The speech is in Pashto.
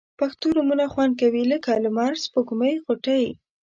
پښتو نومونه خوند کوي لکه لمر، سپوږمۍ، غوټۍ